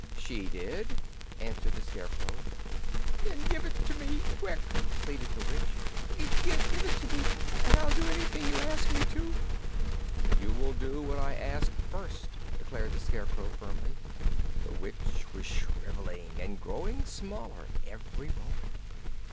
"She did," answered the Scarecrow. "Then give it me quick!" pleaded the witch. "Give it me and I'll do anything you ask me to!" "You will do what I ask first," declared the Scarecrow, firmly. The witch was shriveling and growing smaller every moment.